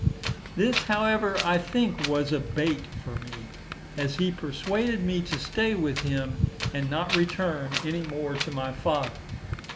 This, however, I think was a bait for me, as he persuaded me to stay with him, and not return any more to my father.